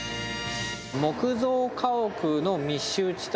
木造家屋の密集地帯